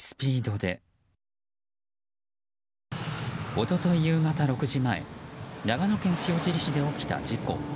一昨日夕方６時前長野県塩尻市で起きた事故。